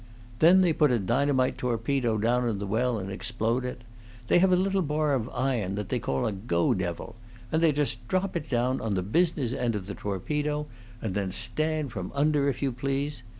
Then they put a dynamite torpedo down in the well and explode it. They have a little bar of iron that they call a Go devil, and they just drop it down on the business end of the torpedo, and then stand from under, if you please!